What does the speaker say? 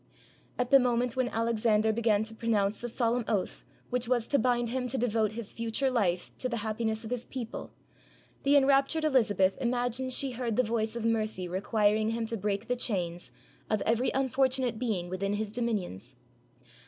At the moment when Alexander began to pronounce the solemn oath which was to bind him to devote his fu ture life to the happiness of his people, the enraptured Elizabeth imagined she heard the voice of mercy requir ing him to break the chains of every unfortunate being within his dominions.